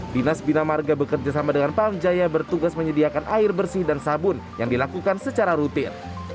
dinas bina marga bekerjasama dengan pamjaya bertugas menyediakan air bersih dan sabun yang dilakukan secara rutin